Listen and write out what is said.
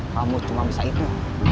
kamu cuma bisa itu